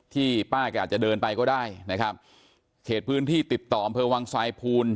ที่ป้าแกอาจจะเดินไปก็ได้นะครับเขตพื้นที่ติดต่ออำเภอวังทรายภูล